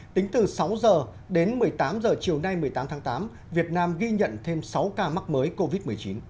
tính từ sáu h đến một mươi tám h chiều nay một mươi tám tháng tám việt nam ghi nhận thêm sáu ca mắc mới covid một mươi chín